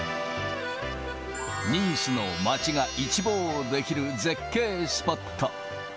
ニースの街が一望できる絶景スポット。